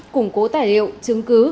củng cố tải liệu chứng cứ